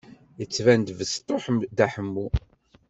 Yettban-d besṭuḥ Dda Ḥemmu.